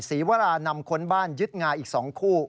ศรีวรานำค้นบ้านยึดงาอีก๒คู่